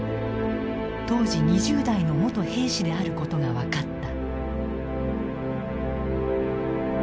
当時２０代の元兵士であることが分かった。